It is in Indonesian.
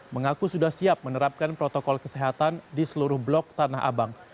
mengaku sudah siap menerapkan protokol kesehatan di seluruh blok tanah abang